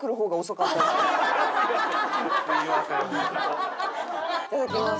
いただきます。